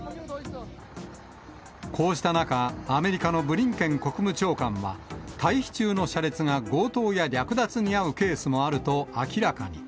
こうした中、アメリカのブリンケン国務長官は、退避中の車列が強盗や略奪に遭うケースもあると明らかに。